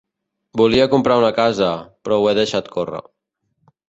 Volia comprar una casa, però ho he deixat córrer.